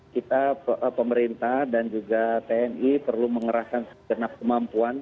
kita pemerintah dan juga tni perlu mengerahkan segenap kemampuan